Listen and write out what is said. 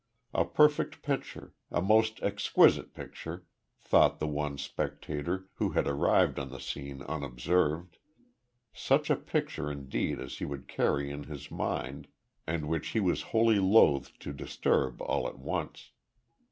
A perfect picture, a most exquisite picture, thought the one spectator, who had arrived on the scene unobserved, such a picture indeed as he would carry in his mind, and which he was wholly loth to disturb all at once.